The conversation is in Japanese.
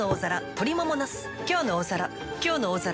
「きょうの大皿」